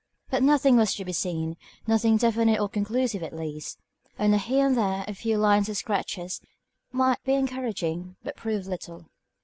But nothing was to be seen, nothing definite or conclusive at least. Only here and there a few lines and scratches that might be encouraging, but proved little.